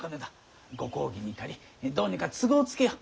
ご公儀に借りどうにか都合をつけよう。